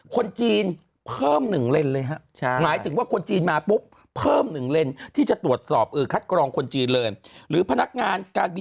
คนจีนเพิ่มหนึ่งเลนเลยครับหมายถึงว่าคนจีนมาปุ๊บ